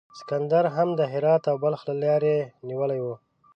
سکندر هم د هرات او بلخ لیاره نیولې وه.